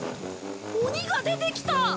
鬼が出てきた！